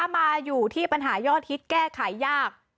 มาอยู่ที่ปัญหายอดฮิตแก้ไขยาก